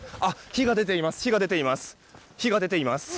火が出ています。